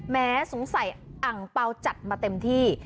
แม้สงสัยอังเปล่าจัดมาเต็มที่